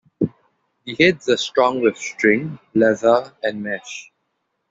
The heads are strung with string, leather, and mesh.